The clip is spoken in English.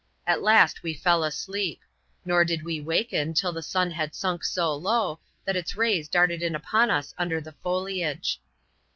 At last we fell asleep ; nor did we waken till the sun had sunk so low, that its rays darted in upon ns under the foliage.